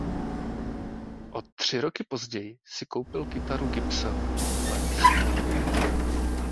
O tři roky později si koupil kytaru Gibson Les Paul.